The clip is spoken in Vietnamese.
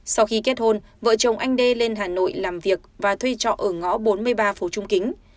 sau khi kết hôn vợ chồng anh đê lên hà nội làm việc và thuê trọ ở ngõ bốn mươi ba phố trung kính